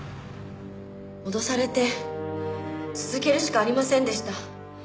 脅されて続けるしかありませんでした。